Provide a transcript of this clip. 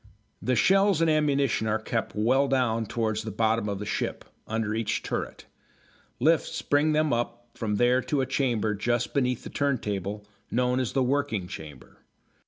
The shells and ammunition are kept well down towards the bottom of the ship, under each turret. Lifts bring them up from there to a chamber just beneath the turntable, known as the working chamber.